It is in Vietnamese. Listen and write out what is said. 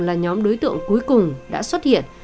là nhóm đối tượng cuối cùng đã xuất hiện